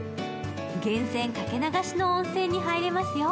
源泉掛け流しの温泉に入れますよ。